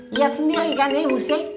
liat sendiri kan ya wuse